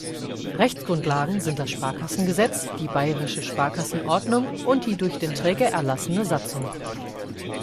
Rechtsgrundlagen sind das Sparkassengesetz, die bayerische Sparkassenordnung und die durch den Träger erlassene Satzung.